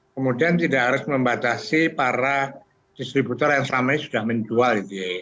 kemudian tidak harus membatasi para distributor yang selama ini sudah menjual